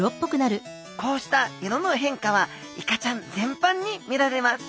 こうした色の変化はイカちゃんぜんぱんに見られます。